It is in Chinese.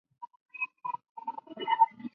位于莱茵河谷之内。